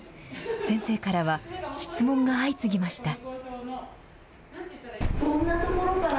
先生からは質問が相次ぎました。